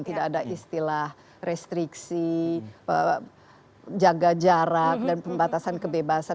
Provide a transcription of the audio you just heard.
tidak ada istilah restriksi jaga jarak dan pembatasan kebebasan